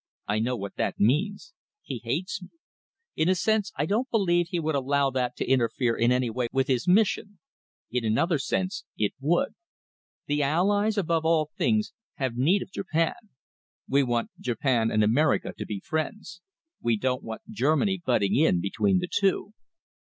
I know what that means. He hates me. In a sense I don't believe he would allow that to interfere in any way with his mission. In another sense it would. The Allies, above all things, have need of Japan. We want Japan and America to be friends. We don't want Germany butting in between the two.